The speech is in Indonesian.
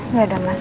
udah udah mas